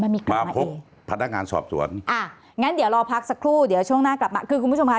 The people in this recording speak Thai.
มีการมาพบพนักงานสอบสวนอ่างั้นเดี๋ยวรอพักสักครู่เดี๋ยวช่วงหน้ากลับมาคือคุณผู้ชมค่ะ